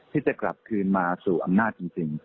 ที่จะกลับคืนมาสู่อำนาจจริง